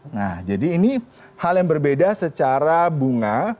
nah jadi ini hal yang berbeda secara bunga